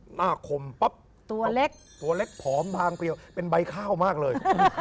คมปั๊บตัวเล็กตัวเล็กผอมบางเปรียวเป็นใบข้าวมากเลย